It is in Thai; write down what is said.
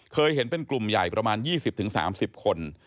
เคยเห็นเป็นกลุ่มใหญ่ประมาณ๒๐๓๐คน